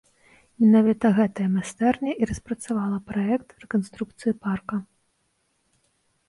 Менавіта гэтая майстэрня і распрацавала праект рэканструкцыі парка.